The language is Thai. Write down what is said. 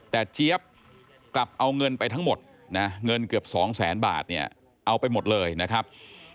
แต่เจี๊ยบกลับเอาเงินไปทั้งหมดนะเงินเกือบสองแสนบาทเนี่ยเอาไปหมดเลยนะครับ